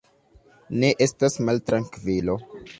Ne estas maltrankvilo.